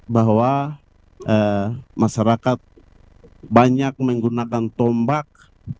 bahwa masyarakat banyak menggunakan tombak